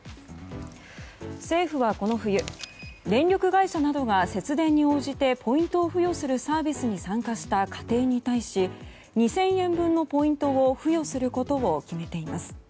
政府は、この冬、電力会社などが節電に応じてポイントを付与するサービスに参加した家庭に対し２０００円分のポイントを付与することを決めています。